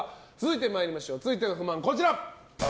続いての不満は、こちら。